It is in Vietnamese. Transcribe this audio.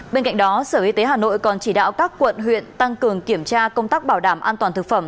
bên cạnh đó sở y tế hà nội còn chỉ đạo các quận huyện tăng cường kiểm tra công tác bảo đảm an toàn thực phẩm